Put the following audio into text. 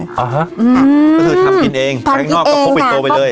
อ๋อฮะคือทำกินเองทางนอกก็พกปินโต้ไปเลย